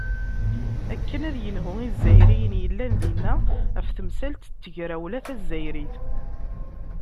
Akken ad yenhu Izzayriyen yellan dinna ɣef temsalt n tegrawla tazzayrit.